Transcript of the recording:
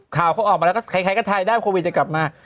ข่าวเค้าออกมันก็ใครก็ไทยได้โควิดจะกลับมา